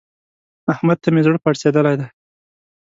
احمد ته مې زړه پړسېدلی دی.